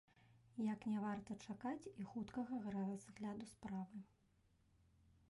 Як не варта чакаць і хуткага разгляду справы.